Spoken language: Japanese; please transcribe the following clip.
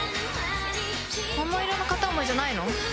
「桃色の片想い」じゃないの？